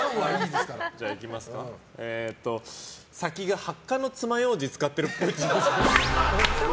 先がハッカのつまようじ使ってるっぽい。